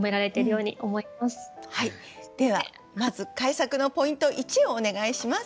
ではまず改作のポイント１をお願いします。